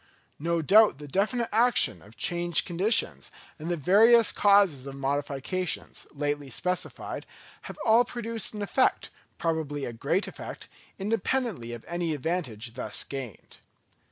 No doubt the definite action of changed conditions, and the various causes of modifications, lately specified, have all produced an effect, probably a great effect, independently of any advantage thus gained.